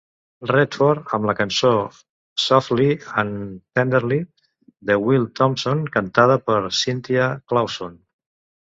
Redford amb la cançó "Softly and Tenderly" de Will Thompson cantada per Cynthia Clawson.